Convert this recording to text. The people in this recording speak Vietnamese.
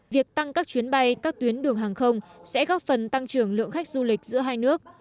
việc tăng các chuyến bay các tuyến đường hàng không sẽ góp phần tăng trưởng lượng khách du lịch giữa hai nước